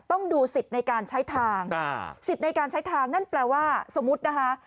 ต้องดูสิทธิ์ในการใช้ทางสิทธิ์ในการใช้ทางนั่นแปลว่าสมมุตินะคะ